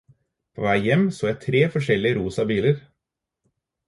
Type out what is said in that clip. På vei hjem så jeg tre forskjellige rosa biler.